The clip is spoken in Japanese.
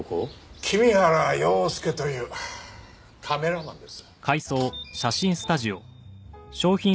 君原洋介というカメラマンです。